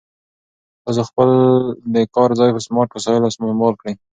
تاسو خپل د کار ځای په سمارټ وسایلو سمبال کړئ.